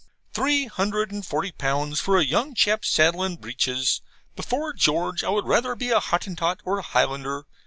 Three hundred and forty pounds for a young chap's saddle and breeches! Before George, I would rather be a Hottentot or a Highlander.